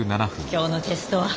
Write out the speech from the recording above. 今日のテストは。